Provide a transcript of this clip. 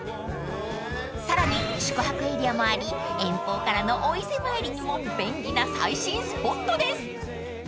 ［さらに宿泊エリアもあり遠方からのお伊勢参りにも便利な最新スポットです］